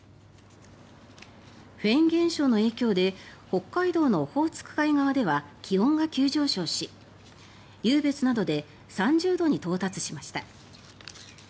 フェーン現象の影響で北海道のオホーツク海側では気温が急上昇し、湧別などで３０度に到達しました。